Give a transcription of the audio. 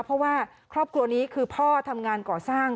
เพราะว่าครอบครัวนี้คือพ่อทำงานก่อสร้าง